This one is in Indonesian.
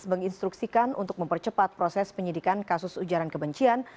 menginstruksikan untuk mempercepat proses penyidikan kasus ujaran kebencian